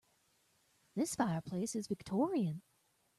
This fireplace is Victorian.